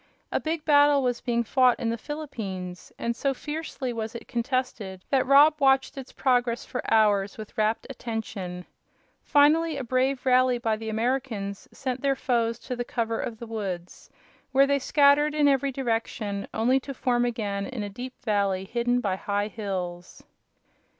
A big battle was being fought in the Philippines, and so fiercely was it contested that Rob watched its progress for hours, with rapt attention. Finally a brave rally by the Americans sent their foes to the cover of the woods, where they scattered in every direction, only to form again in a deep valley hidden by high hills.